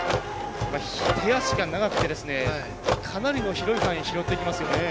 手足が長くて、かなりの広い範囲拾っていきますよね。